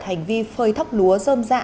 hành vi phơi thóc lúa dơm dạ